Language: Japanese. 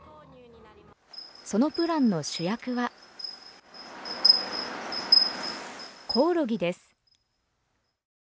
そのプランの主役がコオロギです。